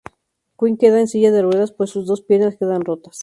Quinn queda en silla de ruedas, pues sus dos piernas quedan rotas.